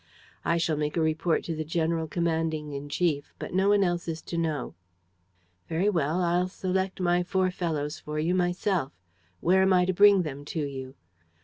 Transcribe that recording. I shall make a report to the general commanding in chief; but no one else is to know." "Very well, I'll select my four fellows for you myself. Where am I to bring them to you?"